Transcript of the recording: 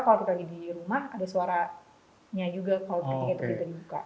kalau kita lagi di rumah ada suaranya juga kalau pintunya terbuka